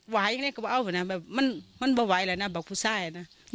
ไหวน่ะกลัวเอาหน่อแบบมันมันประไหร่เลยน่ะบ่คุณซ่ายเนี่ย